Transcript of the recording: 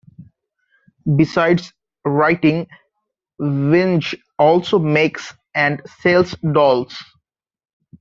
Besides writing, Vinge also makes and sells dolls.